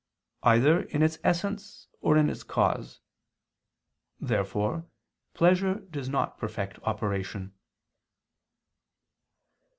either in its essence or in its cause. Therefore pleasure does not perfect operation.